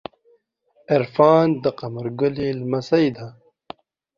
عرفان د قمر ګلی لمسۍ ده.